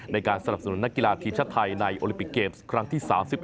ในการสนับสนุนนักกีฬาทีมชาติไทยในโอลิปิกเกมส์ครั้งที่๓๑